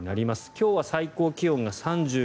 今日は最高気温が３４度。